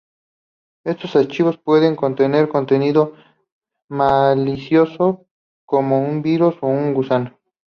Estos archivos pueden contener contenido malicioso, como un virus o un gusano.